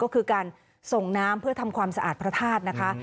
ก็คือการส่งน้ำเพื่อทำความสะอาดพระธาตุนะคะ